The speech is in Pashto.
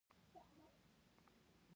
د تولید ماشینونه او تاسیسات مجهز شي